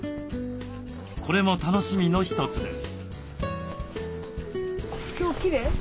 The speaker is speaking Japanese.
これも楽しみの一つです。